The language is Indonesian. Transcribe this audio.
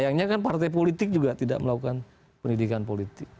sayangnya kan partai politik juga tidak melakukan pendidikan politik